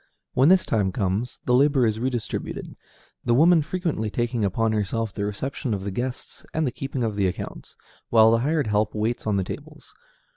When this time comes, the labor is redistributed, the woman frequently taking upon herself the reception of the guests and the keeping of the accounts, while the hired help waits on the tables.